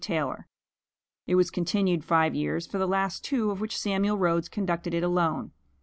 Taylor. It was continued five years, for the last two of which Samuel Rhoads conducted it alone.